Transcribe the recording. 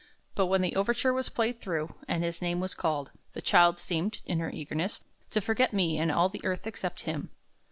But when the overture was played through, and his name was called, the child seemed, in her eagerness, to forget me and all the earth except him.